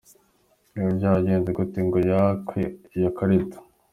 Byari byagenze gute ngo yakwe iyo karita?.